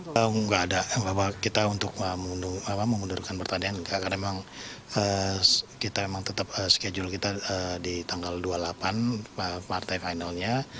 tidak ada bahwa kita untuk mengundurkan pertandingan karena memang kita memang tetap schedule kita di tanggal dua puluh delapan partai finalnya